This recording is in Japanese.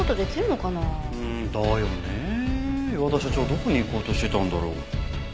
どこに行こうとしてたんだろう？